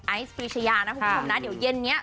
เพราะว่ามีเพื่อนซีอย่างน้ำชาชีระนัทอยู่เคียงข้างเสมอค่ะ